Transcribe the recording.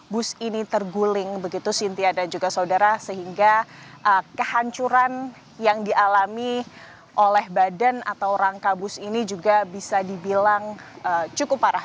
bus ini terguling begitu sintia dan juga saudara sehingga kehancuran yang dialami oleh badan atau rangka bus ini juga bisa dibilang cukup parah